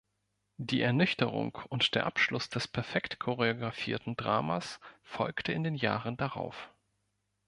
Die Ernüchterung und der Abschluss des perfekt choreografierten Dramas folgte in den Jahren darauf.